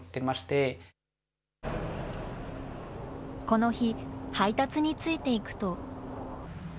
この日、配達についていくと。